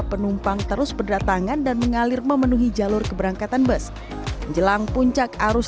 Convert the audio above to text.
penumpang terus berdatangan dan mengalir memenuhi jalur keberangkatan bus menjelang puncak arus